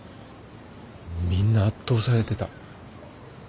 みんな圧倒されてた。